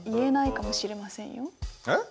えっ？